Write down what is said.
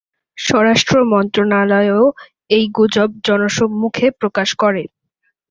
স্বরাষ্ট্র মন্ত্রণালয়ও এই গুজব জনসম্মুখে প্রকাশ করে।